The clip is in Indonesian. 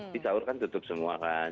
di sahur kan tutup semua kan